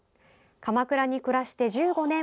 鎌倉に暮らして１５年